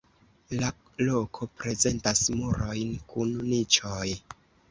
La loko prezentas murojn kun niĉoj.